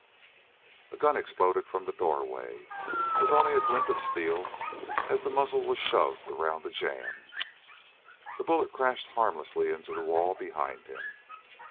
A gun exploded from the doorway, with only a glint of steel, as the muzzle was shoved around the jamb. The bullet crashed harmlessly into the wall behind him.